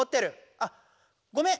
あっごめん。